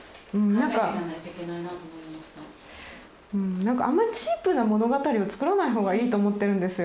なんかあんまりチープな物語を作らないほうがいいと思ってるんですよ。